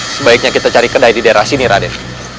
sebaiknya kita cari kedai di daerah sini raden